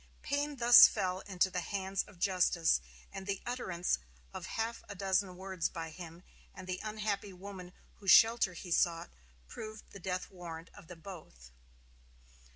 Payne thus fell into the hands of justice, and the utterance of half a dozen words by him and the unhappy woman whose shelter he sought proved the death warrant of them both.